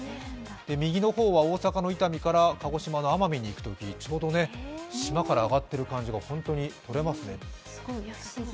右の方は大阪の伊丹から鹿児島の奄美に行くとき、ちょうど島から上がっている感じが本当に撮れますね。